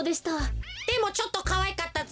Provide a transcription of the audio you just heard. でもちょっとかわいかったぜ。